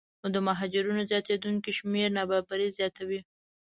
نو د مهاجرینو زیاتېدونکی شمېر نابرابري زیاتوي